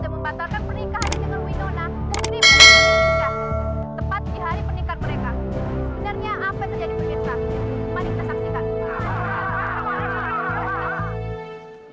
bapak bisa mengerti